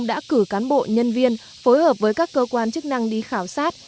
đã cử cán bộ nhân viên phối hợp với các cơ quan chức năng đi khảo sát